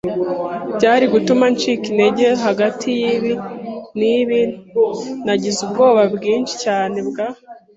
byari gutuma ncika intege. Hagati yibi n'ibi, Nagize ubwoba bwinshi cyane bwa